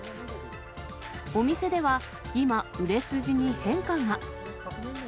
お店では今、売れ筋に変化が。